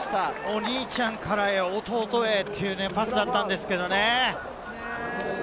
お兄ちゃんから弟へというパスだったんですけれどね。